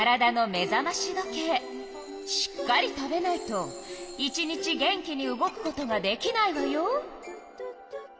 しっかり食べないと１日元気に動くことができないわよ。